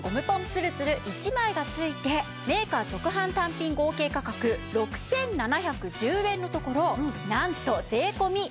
つるつる１枚がついてメーカー直販単品合計価格６７１０円のところなんと税込５９８０円です！